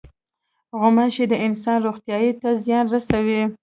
غوماشې د انسان روغتیا ته زیان رسوي.